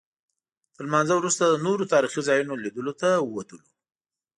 تر لمانځه وروسته د نورو تاریخي ځایونو لیدلو ته ووتلو.